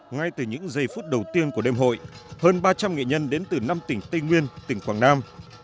ngay từ những giây phút đầu tiên của đêm hội hơn ba trăm linh nghệ nhân đến từ năm tỉnh tây nguyên tỉnh quảng nam